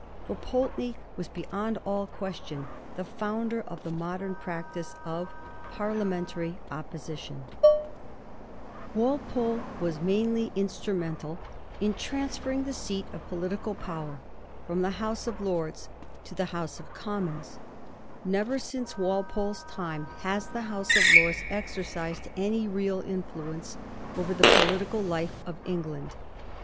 For Pulteney was beyond all question the founder of the modem practice of Parliamentary Opposition. Wal pole was mainly instrumental in transferring the seat of political power from the House of Lords to the Digiti zed by Google 1728 PULTENET'S PLACE IN HISTORY. 373 House of Commons. Never, since Walpole's time, has the House of Lords exercised any real influence over the political life of England.